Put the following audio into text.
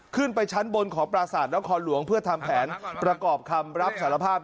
ขึ้นไปชั้นบนของปราศาสตนครหลวงเพื่อทำแผนประกอบคำรับสารภาพ